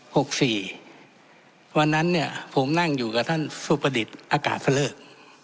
วันนั้นเนี่ยผมนั่งอยู่กับท่านสุประดิษฐ์อากาศก็เลิก